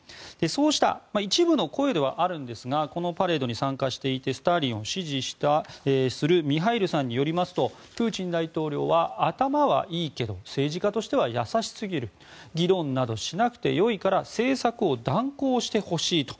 そうした一部の声ではあるんですがこのパレードに参加していてスターリンを支持するミハイルさんによりますとプーチン大統領は頭はいいけど政治家としては優しすぎる議論などしなくてよいから政策を断行してほしいと。